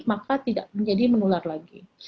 maka tidak menjadi menular lagi